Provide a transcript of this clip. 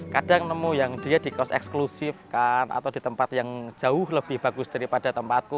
kadang nemu yang dia di kos eksklusifkan atau di tempat yang jauh lebih bagus daripada tempatku